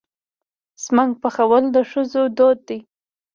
سمنک پخول د ښځو دود دی.